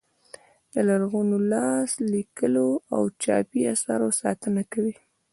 د لرغونو لاس لیکلو او چاپي اثارو ساتنه کوي.